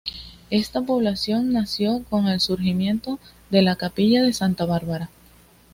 Esta población nació con el surgimiento de la capilla de Santa Bárbara.